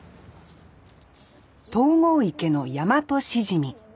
東郷池のヤマトシジミ。